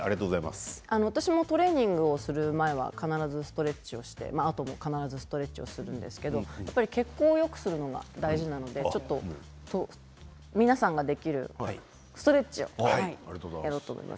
私もトレーニングをする前は必ずストレッチをしてそのあとにも必ずストレッチをしていますけど血行をよくすることが大事なので皆さんができるストレッチをやろうと思います。